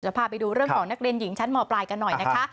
พาไปดูเรื่องของนักเรียนหญิงชั้นหมอปลายกันหน่อยนะคะ